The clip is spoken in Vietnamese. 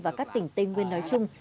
và các tỉnh tây nguyên nói chung